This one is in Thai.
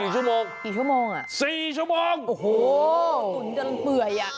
กี่ชั่วโมงอ่ะ๔ชั่วโมงโอ้โหตุ๋นกันเปื่อยอ่ะ